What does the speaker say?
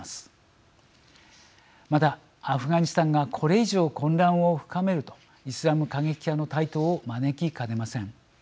またアフガニスタンがこれ以上混乱を深めるとイスラム過激派の台頭を招きかねません。